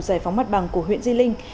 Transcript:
giải phóng mặt bằng của huyện di linh